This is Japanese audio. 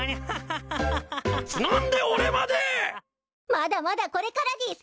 まだまだこれからでぃす！